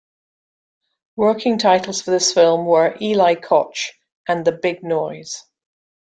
Working titles for this film were "Eli Kotch" and "The Big Noise".